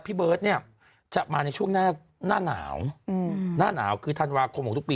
พี่เบิร์ตเนี่ยจะมาในช่วงหน้าหนาวหน้าหนาวคือธันวาคมของทุกปี